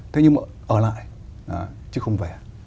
thế nhưng mà ở lại chứ không về